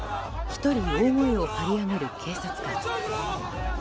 １人、大声を張り上げる警察官。